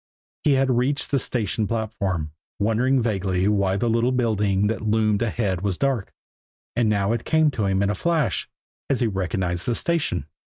He had reached the station platform, wondering vaguely why the little building that loomed ahead was dark and now it came to him in a flash, as he recognized the station.